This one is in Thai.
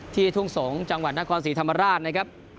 ที่ทุ่งสงศ์จังหวัยนาคอสศิษย์ธรรมราชนะครับ